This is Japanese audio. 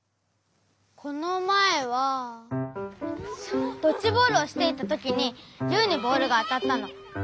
このまえはドッジボールをしていたときにユウにボールがあたったの。